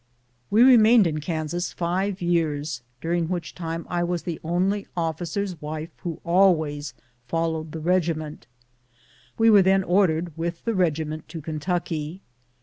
We remained in Kansas five years, during which time I was the only officer's wife CHANGE OF STATION. 11 who always followed the regiment. We were then or dered, with the regiment, to Kentucky.